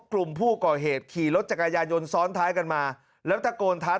กลุ่มผู้ก่อเหตุขี่รถจักรยายนซ้อนท้ายกันมาแล้วตะโกนท้า